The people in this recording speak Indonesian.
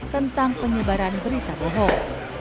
tentang penyebaran berita bohong